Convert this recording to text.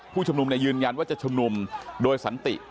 ผู้ชุมนุมยืนยันว่าจะชุมนุมโดยสันติ